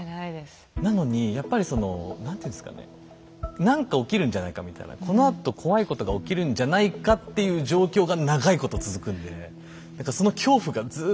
なのにやっぱりその何ていうんですかね何か起きるんじゃないかみたいなこのあと怖いことが起きるんじゃないかっていう状況が長いこと続くんで何かその恐怖がずっとこう何か心をギュッてしてる状態のまま。